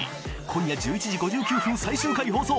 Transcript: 今夜１１時５９分最終回放送！